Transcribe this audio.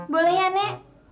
boleh ya nek